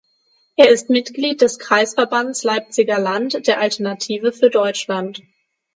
Er ist Mitglied des Kreisverbands Leipziger Land der Alternative für Deutschland.